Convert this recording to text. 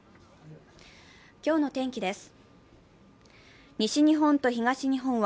今日の天気です。